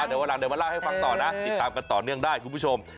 เดี๋ยววันหลังเดี๋ยวมาเล่าให้ฟังต่อนะติดตามกันต่อเนื่องได้คุณผู้ชม